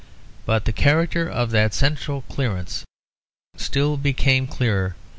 But the character of that central clearance still became clearer and clearer.